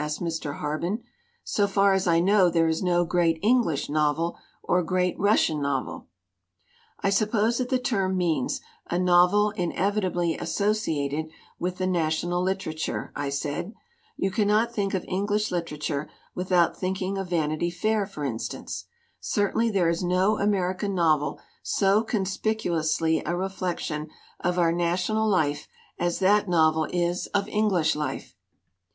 asked Mr. Harben. "So far as I know there is no great English novel or great Russian novel." "I suppose that the term means a novel in evitably associated with the national literature," I said. "You cannot think of English literature without thinking of Vanity Fair, for instance. Certainly there is no American novel so con spicuously a reflection of our national life as that novel is of English life."